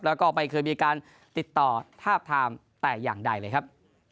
แล้วก็ไม่เคยมีการติดต่อทาบทามแต่อย่างใดเลยครับ